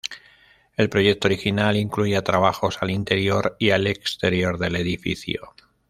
El proyecto original incluía trabajos al interior y al exterior del edificio.